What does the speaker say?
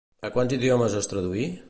A quants idiomes es traduí?